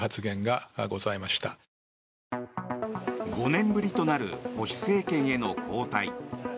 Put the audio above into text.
５年ぶりとなる保守政権への交代。